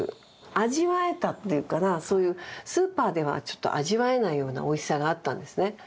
そういうスーパーではちょっと味わえないようなおいしさがあったんですね。